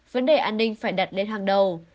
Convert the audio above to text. vấn đề an ninh phải đặt lên hàng đầu